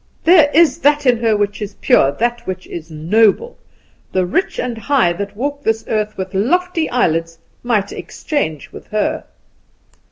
There is that in her which is pure, that which is noble. The rich and high that walk this earth with lofty eyelids might exchange with her."